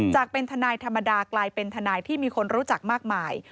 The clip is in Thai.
จากเป็นทนายธรรมดากลายเป็นทนายที่มีคนรู้จักมากมาย